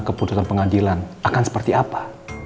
keputusan pengadilan akan seperti apa